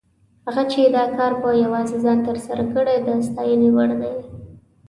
هغه چې دا کار په یوازې ځان تر سره کړی، د ستاینې وړ دی.